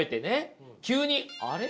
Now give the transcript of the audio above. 急にあれ？